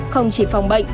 không chỉ phòng bệnh